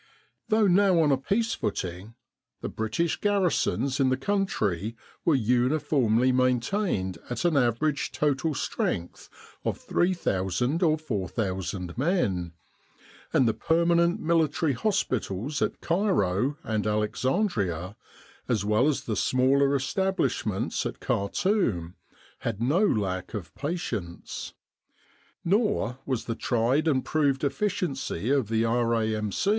Though now on a peace footing, the British gar risons in the country were uniformly maintained at an average total strength of 3,000 or 4,000 men; and the permanent Military Hospitals at Cairo and Alexandria, as well as the smaller establishment at Khartoum, had no lack of patients. Nor was the tried and proved efficiency of the R.A.M.